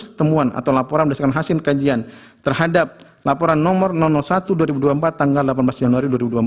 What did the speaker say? ada temuan atau laporan berdasarkan hasil kajian terhadap laporan nomor satu dua ribu dua puluh empat tanggal delapan belas januari dua ribu dua puluh